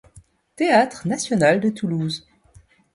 Théâtre national de Toulouse.